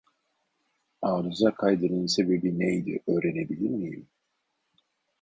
Arıza kaydının sebebi neydi öğrenebilir miyim